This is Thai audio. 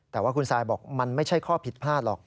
แต่ว่าคุณซายบอกมันไม่ใช่ข้อผิดพลาดหรอก